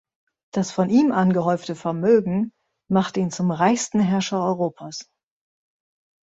Das von ihm angehäufte Vermögen machte ihn zum reichsten Herrscher Europas.